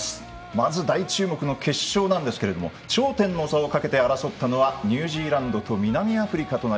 まず大注目の決勝なんですが頂点の座をかけて争ったのはニュージーランドと南アフリカ。